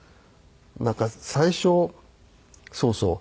なんか最初そうそう。